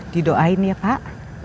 didoain ya pak